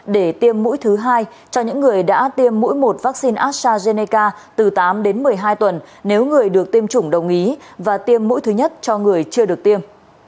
để tiêm mũi thứ hai cho những người đã tiêm mũi một vaccine astrazeneca từ tám đến một mươi hai tuần nếu người được tiêm chủng đồng ý và tiêm mũi thứ nhất cho người chưa được tiêm